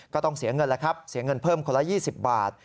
ก็ต้องเสียเงินแล้วครับเสียเงินเพิ่มคนละ๒๐บาท